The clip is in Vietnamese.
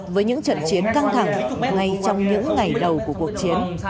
với những trận chiến căng thẳng ngay trong những ngày đầu của cuộc chiến